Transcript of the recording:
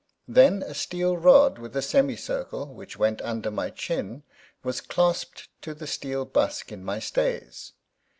Then a steel rod with a semi circle, which went under my chin, was clasped to the steel busk in my stays.